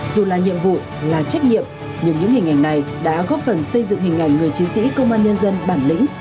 dù là nhiệm vụ là trách nhiệm nhưng những hình ảnh này đã góp phần xây dựng hình ảnh người chiến sĩ công an nhân dân bản lĩnh